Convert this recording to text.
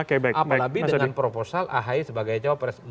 apalagi dengan proposal ahi sebagai cawapres